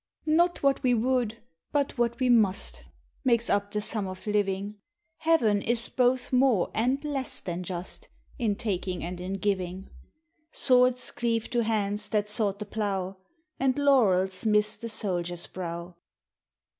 Not what we would, but what we must, Makes up the sum of living; Heaven is both more and less than just In taking and in giving. Swords cleave to hands that sought the plough, And laurels miss the soldiers brow.